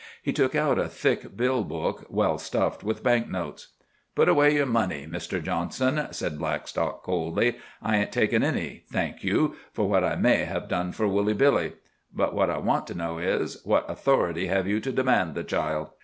He took out a thick bill book, well stuffed with bank notes. "Put away your money, Mr. Johnson," said Blackstock coldly. "I ain't taking any, thank you, for what I may have done for Woolly Billy. But what I want to know is, what authority have you to demand the child?"